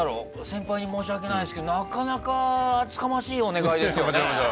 先輩に申し訳ないですけどなかなか厚かましいお願いですよね。